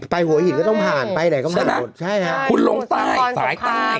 ไปหัวหิตก็ต้องผ่านไปไหนก็ผ่านใช่นะใช่ครับคุณลงใต้สายใต้